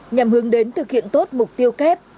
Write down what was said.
nhằm hướng đến thực hiện tốt mục tiêu kép